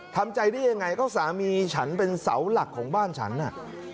ทำใจได้ยังไงก็สามีฉันเป็นเสาหลักของบ้านฉันน่ะ